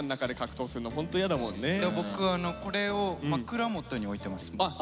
僕これを枕元に置いてます。